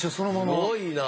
すごいな！